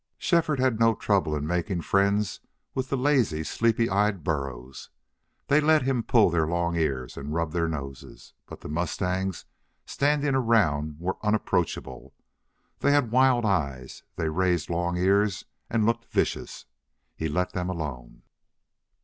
Shefford had no trouble in making friends with the lazy sleepy eyed burros. They let him pull their long ears and rub their noses, but the mustangs standing around were unapproachable. They had wild eyes; they raised long ears and looked vicious. He let them alone.